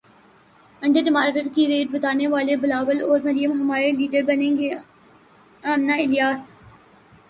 انڈے ٹماٹر کے ریٹ بتانے والے بلاول اور مریم ہمارے لیڈر بنیں گے امنہ الیاس